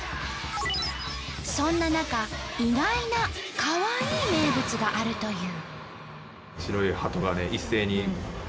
そんな中意外な「カワイイ名物」があるという。